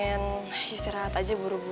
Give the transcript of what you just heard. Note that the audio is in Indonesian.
iya kan sih biar otot forgot gimana ya